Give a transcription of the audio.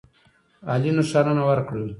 عالي نښانونه ورکړل.